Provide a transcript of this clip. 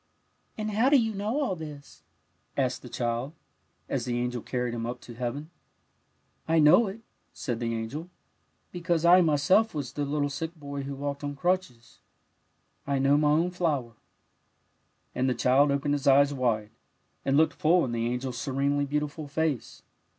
'' And how do you know all this? '^ asked the child, as the angel carried him up to heaven. '^ I know it," said the angel, '' because I m^^self was the little sick boy who walked on crutches; I know my own flower." And the child opened his eyes wide, and looked full in the angel's serenely beautiful face.